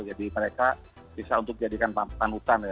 jadi mereka bisa untuk jadikan panutan